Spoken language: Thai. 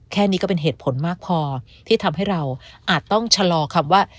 แค่นี้ก็เป็นเหตุผลมากพอที่ทำให้เราอาจต้องชะลอคำว่า